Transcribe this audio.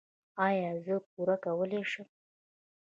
ایا زه پور کولی شم؟